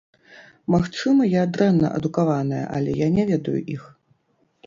Магчыма, я дрэнна адукаваная, але я не ведаю іх.